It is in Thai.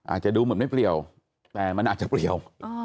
อาจจะดูเหมือนไม่เปลี่ยวแต่มันอาจจะเปรียว